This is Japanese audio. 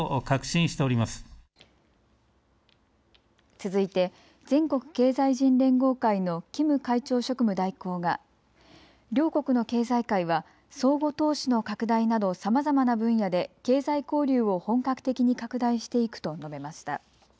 続いて全国経済人連合会のキム会長職務代行が両国の経済界は相互投資の拡大などさまざまな分野で経済交流を本格的に拡大していくと述べました。